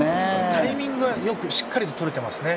タイミングがよくしっかりととれれてますね。